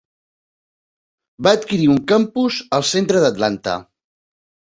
Va adquirir un campus al centre d'Atlanta.